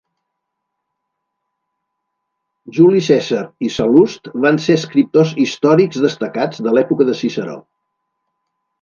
Juli Cèsar i Sallust van ser escriptors històrics destacats de l'època de Ciceró.